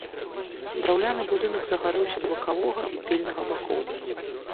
Драўляны будынак загарэўся з бакавога і тыльнага бакоў.